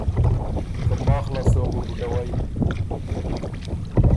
که ماخ لاسته وه بُو بُډوئ۔